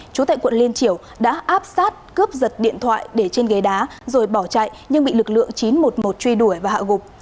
chú tại quận liên triểu đã áp sát cướp giật điện thoại để trên ghế đá rồi bỏ chạy nhưng bị lực lượng chín trăm một mươi một truy đuổi và hạ gục